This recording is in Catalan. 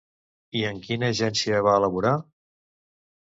I en quina agència va laborar?